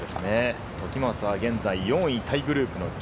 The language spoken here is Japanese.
時松は現在、４位タイグループ。